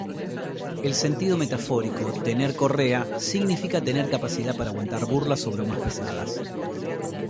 En sentido metafórico, "tener correa" significa tener capacidad de aguantar burlas o bromas pesadas.